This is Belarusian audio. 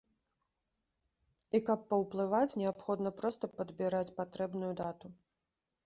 І каб паўплываць, неабходна проста падбіраць патрэбную дату.